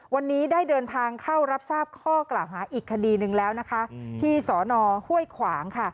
วันนี้ได้เดินทางเข้ารับทราบข้อกล่าวหาอีกคดีหนึ่งแล้วนะคะที่สอนอห้วยขวางค่ะ